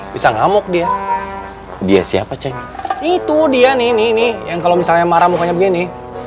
bisa ngamuk dia dia siapa cek itu dia nih ini nih yang kalau misalnya marah mukanya begini